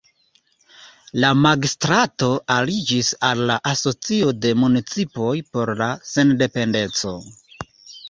La magistrato aliĝis al la Asocio de Municipoj por la Sendependeco.